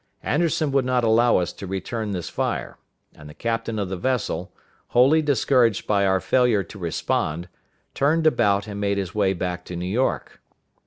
Anderson would not allow us to return this fire; and the captain of the vessel, wholly discouraged by our failure to respond, turned about, and made his way back to New York.